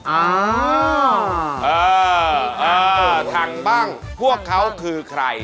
เออเออถังบ้างพวกเขาคือใคร